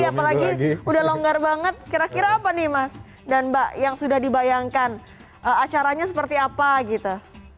apalagi udah longgar banget kira kira apa nih mas dan mbak yang sudah dibayangkan acaranya seperti apa gitu